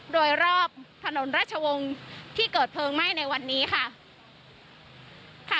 โดยรอบถนนราชวงศ์ที่เกิดเพลิงไหม้ในวันนี้ค่ะ